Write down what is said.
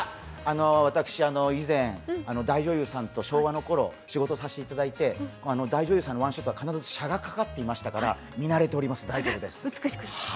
私、以前、大女優さんと昭和のころ仕事させていただいて、大女優さんのワンショットが必ず斜がかかっていましたから、見慣れております。